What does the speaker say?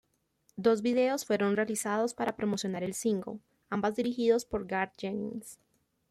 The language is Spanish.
Dos videos fueron realizados para promocionar el single, ambas dirigidos por Garth Jennings.